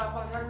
aduh gimana ini